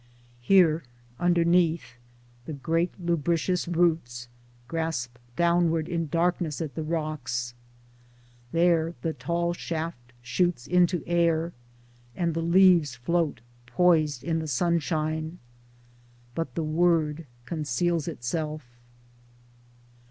Here underneath, the great lubricous roots grasp downward in darkness at the rocks; there the tall shaft shoots into air, and the leaves float poised in the sunshine — but the word conceals itself.